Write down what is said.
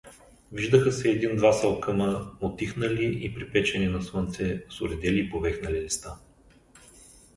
Виждаха се един-два салкъма, утихнали и припечени на слънце, с оредели и повехнали листа.